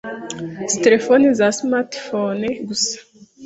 si telefoni za smart phone gusa